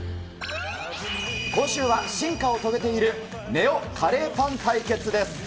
今週は進化を遂げているＮＥＯカレーパン対決です。